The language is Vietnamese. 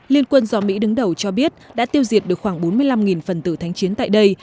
liên quân do mỹ đứng đầu cho biết đã tiêu diệt được khoảng bốn mươi năm phần tử thánh chiến tại đây